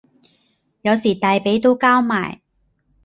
有時大髀都交埋